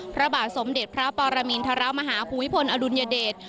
พระบาทสมเด็จพระปรมินทรมาฮาภูมิพลอดุลยเดช